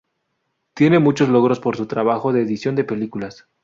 Tiene muchos logros por su trabajo de edición de películas.